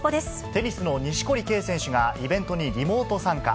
テニスの錦織圭選手がイベントにリモート参加。